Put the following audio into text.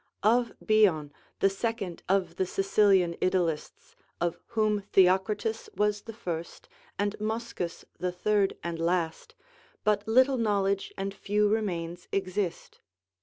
C.) Of Bion, the second of the Sicilian idyllists, of whom Theocritus was the first and Moschus the third and last, but little knowledge and few remains exist.